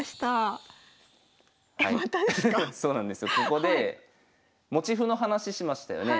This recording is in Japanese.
ここで持ち歩の話しましたよね？